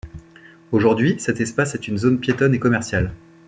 Aujourd'hui, cet espace est une zone piétonne et commerciale.